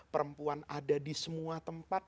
perempuan ada di semua tempat